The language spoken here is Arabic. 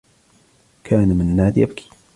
كان منّاد يبكي.